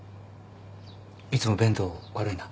いつも弁当悪いな。